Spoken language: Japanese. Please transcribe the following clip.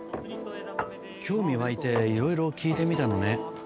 興味湧いて色々聞いてみたのね